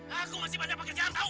aku masih banyak pakai jalan tau